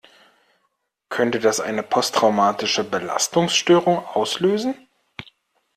Könnte das eine posttraumatische Belastungsstörung auslösen?